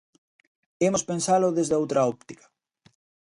Imos pensalo desde outra óptica.